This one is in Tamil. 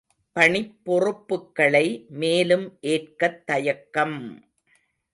பணிப் பொறுப்புக்களை மேலும் ஏற்கத் தயக்கம்!